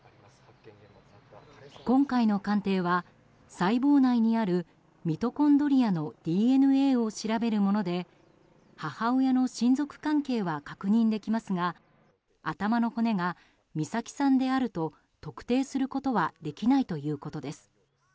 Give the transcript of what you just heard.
今回の鑑定は、細胞内にあるミトコンドリアのＤＮＡを調べるもので母親の親族関係は確認できますが頭の骨が美咲さんであると特定することはできないということです。